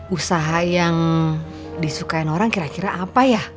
usaha yang disukain orang kira kira apa ya